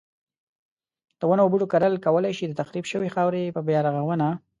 د ونو او بوټو کرل کولای شي د تخریب شوی خاورې په بیا رغونه.